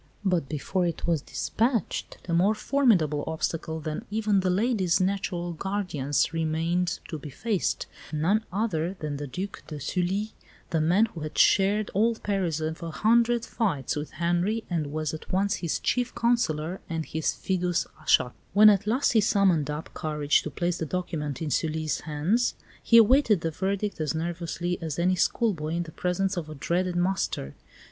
But before it was dispatched a more formidable obstacle than even the lady's natural guardians remained to be faced none other than the Duc de Sully, the man who had shared all the perils of a hundred fights with Henri and was at once his chief counsellor and his fidus Achates. When at last he summoned up courage to place the document in Sully's hands, he awaited the verdict as nervously as any schoolboy in the presence of a dreaded master.